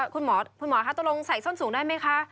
คุณหมอค่ะตรงใส่ส้นสูงได้ไหมคะ